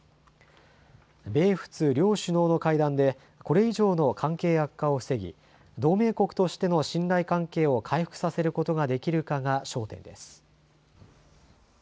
米仏両首脳の会談でこれ以上の関係悪化を防ぎ、同盟国としての信頼関係を回復させることができるかが焦点です。